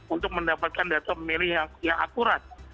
untuk mendapatkan data pemilih yang akurat